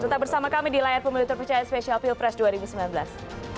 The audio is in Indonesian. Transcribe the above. tetap bersama kami di layar pemilu terpercaya spesial pilpres dua ribu sembilan belas